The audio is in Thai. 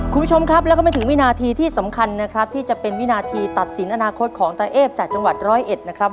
คุณผู้ชมครับแล้วก็ไม่ถึงวินาทีที่สำคัญนะครับที่จะเป็นวินาทีตัดสินอนาคตของตาเอฟจากจังหวัดร้อยเอ็ดนะครับ